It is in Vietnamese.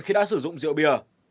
khi đã sử dụng rượu bia